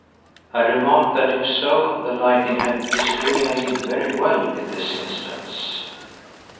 I remarked that if so the lightning had discriminated very well in this instance.